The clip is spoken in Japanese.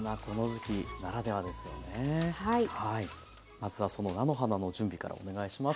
まずはその菜の花の準備からお願いします。